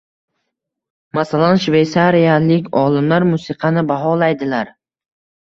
Masalan, shveysariyalik olimlar musiqani baholaydilar